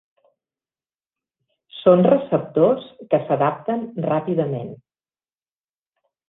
Són receptors que s'adapten ràpidament.